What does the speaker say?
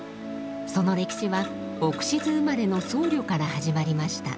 その歴史はオクシズ生まれの僧侶から始まりました。